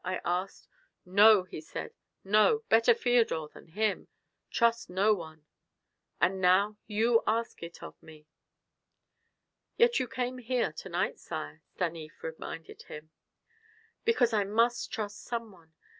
I asked. 'No,' he said, 'no; better Feodor than him. Trust no one.' And now you ask it of me." "Yet you came here to night, sire," Stanief reminded him. "Because I must trust some one.